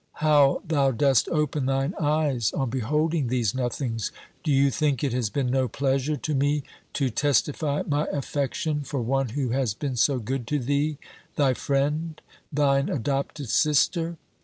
How thou dost open thine eyes on beholding these nothings! Do you think it has been no pleasure to me to testify my affection for one who has been so good to thee thy friend, thine adopted sister?